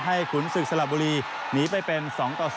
ขุนศึกสลับบุรีหนีไปเป็น๒ต่อ๐